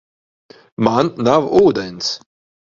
Man nav ūdens.